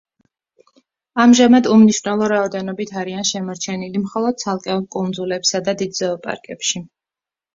ამჟამად უმნიშვნელო რაოდენობით არიან შემორჩენილი მხოლოდ ცალკეულ კუნძულებსა და დიდ ზოოპარკებში.